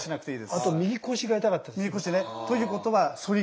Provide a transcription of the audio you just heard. あと右腰が痛かったです。